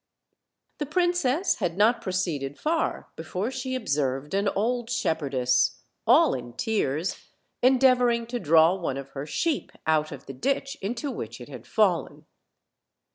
The princess had not proceeded far before she ob served an old shepherdess, all in tears, endeavoring to draw one of her sheep out of the ditch, into which it had fallen.